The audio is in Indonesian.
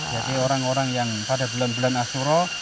jadi orang orang yang pada bulan bulan asura